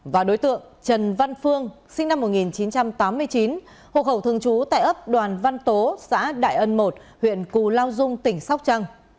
và đối tượng trần văn phương sinh năm một nghìn chín trăm tám mươi chín hộ khẩu thường trú tại ấp đoàn văn tố xã đại ân i huyện cù lao dung tỉnh sóc trăng